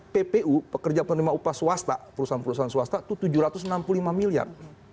ppu pekerja penerima upah swasta perusahaan perusahaan swasta itu tujuh ratus enam puluh lima miliar